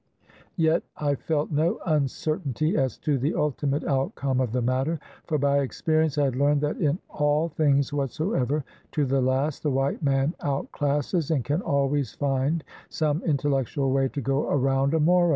Yet I felt no uncertainty as to the ultimate outcome of the matter ; for by experience I had learned that in all things whatsoever, to the last, the white man outclasses, and can always find some intellectual way to go around, a Moro.